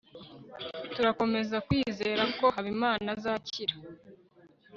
turakomeza kwizera ko habimana azakira